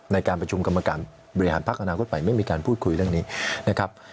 ในการประชุมกรรมการบริหารพักอนาคตใหม่ไม่มีการพูดคุยเรื่องนี้นะครับ